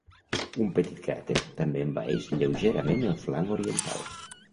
Un petit cràter també envaeix lleugerament el flanc oriental.